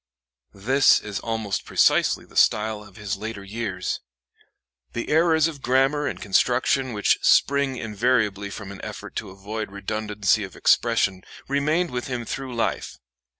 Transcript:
This is almost precisely the style of his later years. The errors of grammar and construction which spring invariably from an effort to avoid redundancy of expression remained with him through life.